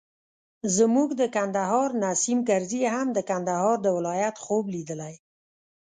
زموږ د کندهار نیسم کرزي هم د کندهار د ولایت خوب لیدلی.